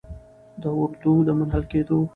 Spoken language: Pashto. د اردو د منحل کیدو